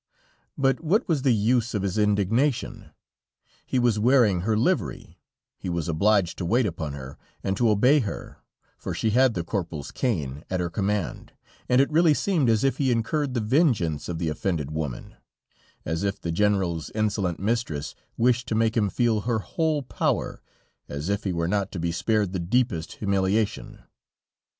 But what was the use of his indignation? He was wearing her livery, he was obliged to wait upon her and to obey her, for she had the corporal's cane at her command, and it really seemed as if he incurred the vengeance of the offended woman; as if the General's insolent mistress wished to make him feel her whole power; as if he were not to be spared the deepest humiliation.